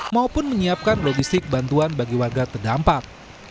maupun menyiapkan logistik bantuan bagi warga terdampak